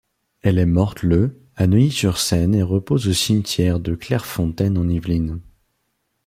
Elle est morte le à Neuilly-sur-Seine et repose au cimetière de Clairefontaine-en-Yvelines.